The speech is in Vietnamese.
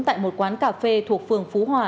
tại một quán cà phê thuộc phường phú hòa